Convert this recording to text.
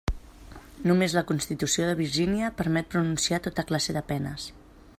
Només la Constitució de Virgínia permet pronunciar tota classe de penes.